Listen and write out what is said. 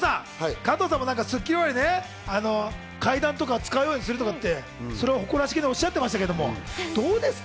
加藤さんも『スッキリ』終わりで階段とかを使うようにするとかって誇らしげにおっしゃってましたけど、どうですか？